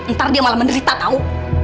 ntar dia malah menderita tahu